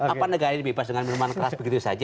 apa negara ini bebas dengan minuman keras begitu saja